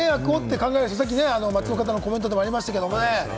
さっき街の方のコメントでありましたけどね。